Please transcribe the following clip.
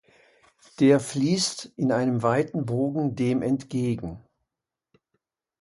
Der fließt in einem weiten Bogen dem entgegen.